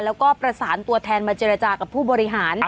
แล้วก็ประสานตัวแทนมาเจรจากับผู้บริหาร